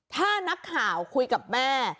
ถ้านักข่าวคุยกับแม่